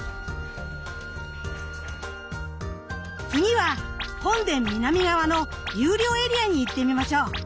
次は本殿南側の有料エリアに行ってみましょう。